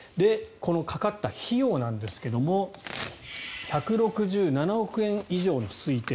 このかかった費用なんですが１６７億円以上の推定。